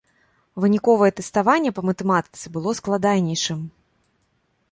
Выніковае тэставанне па матэматыцы было складанейшым.